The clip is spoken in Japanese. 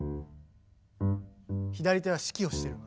左手は指揮をしてるの。